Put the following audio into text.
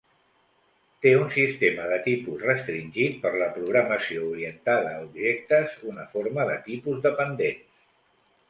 Té un sistema de tipus restringit per la programació orientada a objectes, una forma de tipus dependents.